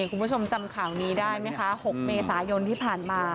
คุณผู้ชมจำข่าวนี้ได้ไหมคะ๖เมษายนที่ผ่านมา